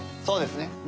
そうですね。